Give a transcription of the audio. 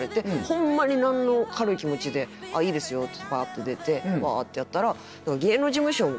ホンマに何の軽い気持ちであいいですよってパっと出てワってやったら。